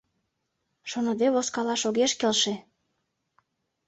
ШОНЫДЕ ВОЗКАЛАШ ОГЕШ КЕЛШЕ